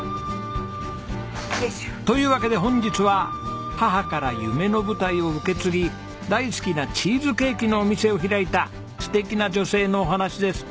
というわけで本日は母から夢の舞台を受け継ぎ大好きなチーズケーキのお店を開いた素敵な女性のお話です。